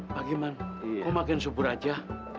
pak giman kok makin subur aja